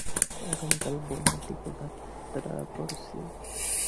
আগামী কাল বনের দিকে যাত্রা করছি।